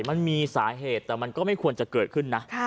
มันมีสาเหตุแต่มันก็ไม่ควรจะเกิดขึ้นนะ